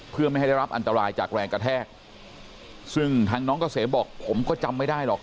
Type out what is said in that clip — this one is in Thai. เพื่อไม่ให้ได้รับอันตรายจากแรงกระแทกซึ่งทางน้องเกษมบอกผมก็จำไม่ได้หรอก